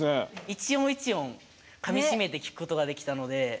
一音一音かみしめて聴くことができたので。